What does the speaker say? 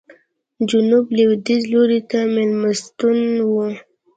جنوب لوېدیځ لوري ته مېلمستون و.